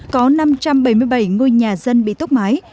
có năm trăm bảy mươi bảy ngôi nhà dân bị tốc mái